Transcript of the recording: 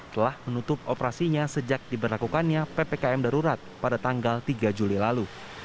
telah menutup operasinya sejak diberlakukannya ppkm darurat pada tanggal tiga juli lalu